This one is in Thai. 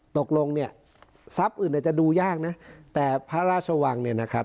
ตกลงเนี่ยทรัพย์อื่นอาจจะดูยากนะแต่พระราชวังเนี่ยนะครับ